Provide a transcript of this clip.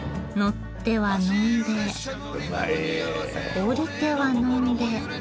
降りては呑んで。